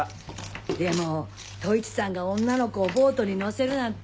でも十一さんが女の子をボートに乗せるなんて。